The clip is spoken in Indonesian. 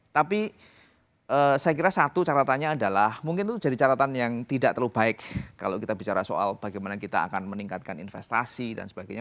tapi saya kira satu caratannya adalah mungkin itu jadi catatan yang tidak terlalu baik kalau kita bicara soal bagaimana kita akan meningkatkan investasi dan sebagainya